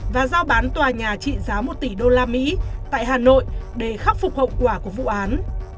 và giao bán tòa nhà trị giá một tỷ usd tại hà nội để khắc phục hậu quả của vụ án